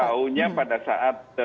kami tahunya pada saat